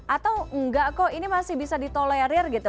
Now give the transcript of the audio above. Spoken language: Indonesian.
atau enggak kok ini masih bisa ditolerir gitu